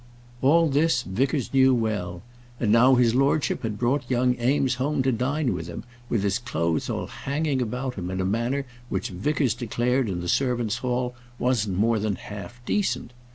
All this Vickers knew well; and now his lordship had brought young Eames home to dine with him with his clothes all hanging about him in a manner which Vickers declared in the servants' hall wasn't more than half decent.